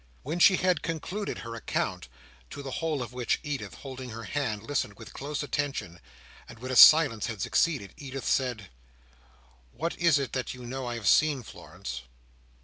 When she had concluded her account, to the whole of which Edith, holding her hand, listened with close attention, and when a silence had succeeded, Edith said: "What is it that you know I have seen, Florence?"